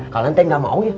kalian teh gak mau ya